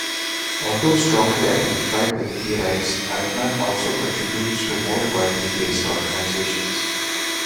Although strongly identified with gay rights, Altman also contributes to more widely based organisations.